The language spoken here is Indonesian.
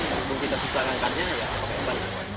berhubung kita susah ngangkatnya ya